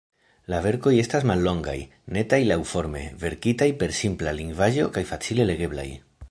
La verkoj estas mallongaj, netaj laŭforme, verkitaj per simpla lingvaĵo kaj facile legeblaj.